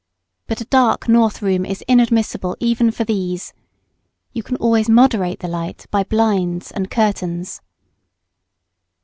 But a dark north room is inadmissible even for these. You can always moderate the light by blinds and curtains.